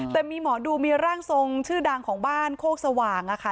แต่มีหมอดูมีร่างทรงชื่อดังของบ้านโคกสว่างอะค่ะ